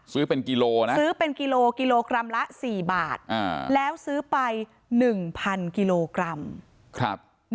ซื้อเป็นกิโลนะซื้อเป็นกิโลกิโลกรัมละ๔บาทแล้วซื้อไป๑๐๐กิโลกรัม